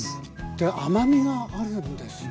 で甘みがあるんですね。